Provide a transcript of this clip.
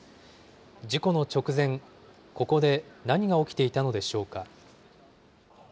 事故の直前、ここで何が起きていたのでしょうか。